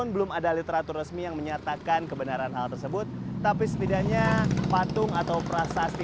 belum ada literatur resmi yang menyatakan kebenaran hal tersebut tapi setidaknya patung atau prasasti